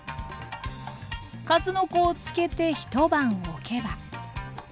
数の子を漬けて一晩おけば。